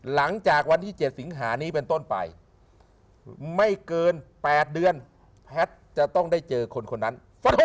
หลังจากวันที่๗สิงหานี้เป็นต้นไปไม่เกิน๘เดือนแพทย์จะต้องได้เจอคนคนนั้น